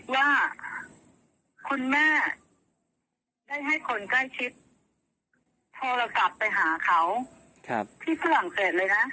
ว่าคุณแม่ได้ให้คนใกล้ชิดโทรกลับไปหาเขาที่ส่วนหลังเศษเลยนะ